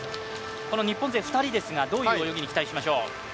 この日本勢、２人ですがどういう泳ぎに期待しましょう？